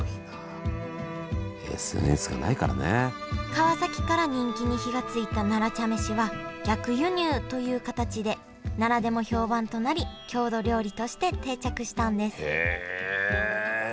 川崎から人気に火がついた奈良茶飯は逆輸入という形で奈良でも評判となり郷土料理として定着したんですへえ。